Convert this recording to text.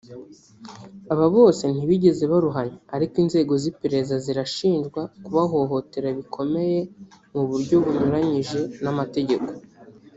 Aba bose ntibigeze baruhanya ariko inzego z’iperereza zirashinjwa kubahohotera bikomeye mu buryo bunyuranyije n’amategeko